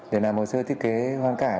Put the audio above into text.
để làm hồ sơ thiết kế hoan cải